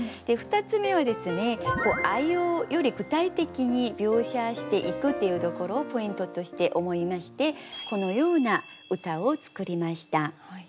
２つ目は「愛」をより具体的に描写していくっていうところをポイントとして思いましてこのような歌を作りました。